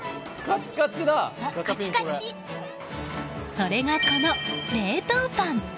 それが、この冷凍パン。